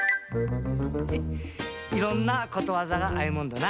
いろんなことわざがあいもんだな。